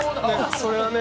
それはね